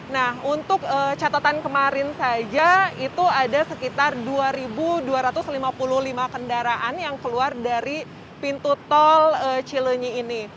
nah untuk catatan kemarin saja itu ada sekitar dua dua ratus lima puluh lima kendaraan yang keluar dari pintu tol cilenyi ini